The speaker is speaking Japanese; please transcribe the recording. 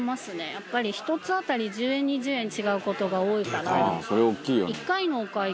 やっぱり１つ当たり１０円２０円違う事が多いから。